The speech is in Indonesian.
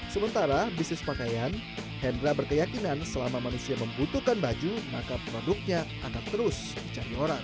sementara bisnis pakaian hendra berkeyakinan selama manusia membutuhkan baju maka produknya akan terus dicari orang